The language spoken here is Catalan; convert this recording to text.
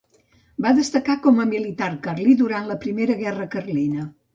Va destacar com a militar carlí durant la Primera Guerra Carlina.